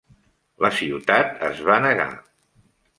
La ciutat es va negar.